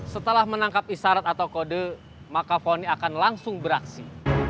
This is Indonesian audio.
setelah menangkap isarat atau kode maka foni akan langsung beraksi